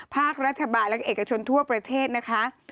ภาครัฐบาลและเอกชนทั่วประเทศนะคะ